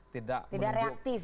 tidak reaktif ya